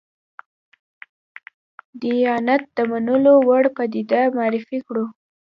دیانت د منلو وړ پدیده معرفي کړو.